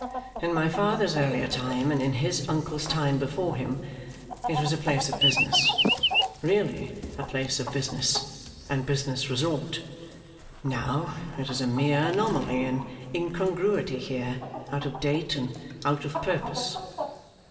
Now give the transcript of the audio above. In my father's earlier time, and in his uncle's time before him, it was a place of business really a place of business, and business resort. Now, it is a mere anomaly and incongruity here, out of date and out of purpose.